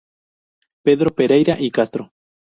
Pedro Pereyra y Castro.